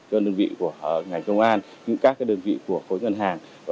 các đơn vị của ngành công an những các cái đơn vị của phối ngân hàng